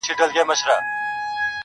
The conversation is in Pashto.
اوس چي د چا نرۍ ، نرۍ وروځو تـه گورمه زه.